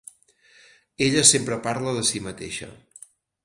Ella sempre parla de si mateixa.